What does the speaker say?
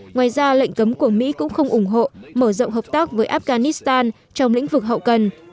ngoài ra lệnh cấm của mỹ cũng không ủng hộ mở rộng hợp tác với afghanistan trong lĩnh vực hậu cần